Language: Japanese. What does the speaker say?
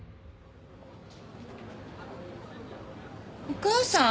お母さん！